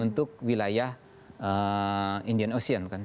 untuk wilayah indian ocean kan